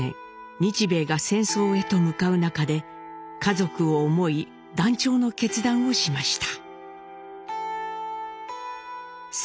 日米が戦争へと向かう中で家族を思い断腸の決断をしました。